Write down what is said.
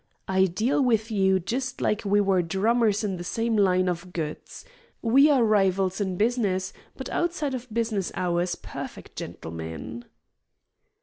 I deal with you just like we were drummers in the same line of goods. We are rivals in business, but outside of business hours perfect gentleman."